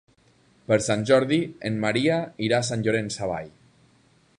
Per Sant Jordi en Maria irà a Sant Llorenç Savall.